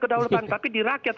kedaulatan tetap di rakyat